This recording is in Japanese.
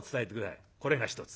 これが一つ。